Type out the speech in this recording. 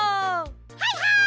はいはい！